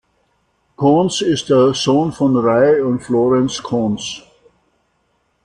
Koontz ist der Sohn von Ray und Florence Koontz.